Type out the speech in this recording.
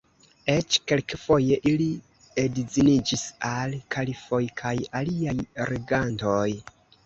Eĉ kelkfoje ili edziniĝis al kalifoj kaj aliaj regantoj.